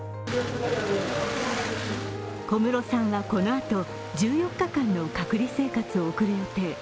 小室さんはこのあと、１４日間の隔離生活を送る予定。